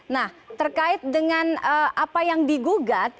nah terkait dengan apa yang digugat